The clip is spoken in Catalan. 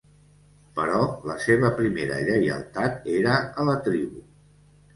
Però la seva primera lleialtat era a la tribu.